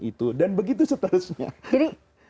itu dan begitu seterusnya jadi